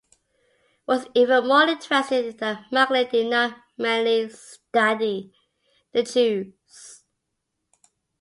What's even more interesting is that Macklin did not merely "study" the Jews.